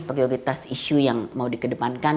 prioritas isu yang mau dikedepankan